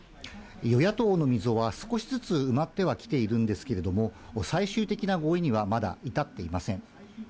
与野党の溝は少しずつ埋まってはきているんですけれども、最終的な合意にはまだ至っていません。